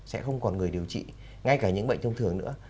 sẽ không còn người điều trị ngay cả những bệnh thông thường nữa